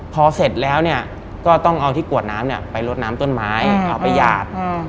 พอเสร็จแล้วก็ต้องเอาที่กรวดน้ำเนี่ยไปลดน้ำต้นไม้เอาไปหยาด